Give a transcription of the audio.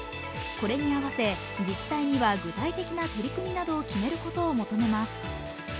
これに合わせ自治体には具体的な取り組みなどを決めることを求めます。